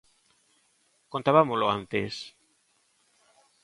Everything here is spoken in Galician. Contabámolo antes.